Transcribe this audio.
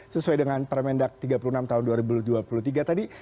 sesuai dengan permendak tiga puluh enam tahun dua ribu dua puluh tiga tadi